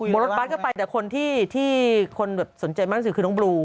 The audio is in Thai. มรถป๊าสก็ไปแต่คนที่สนใจมากนึงคือน้องบลู